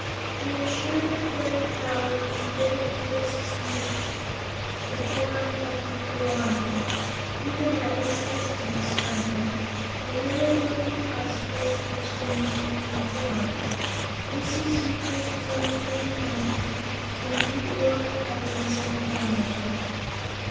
I am sure your fairy power can give to Mrs. Yoop the form of Woot the Wanderer even at this distance from her and then it will be possible to exchange the two forms. Mrs. Yoop will become the Green Monkey, and Woot will recover his own form again."